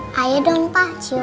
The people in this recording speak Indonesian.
saya belanja dulu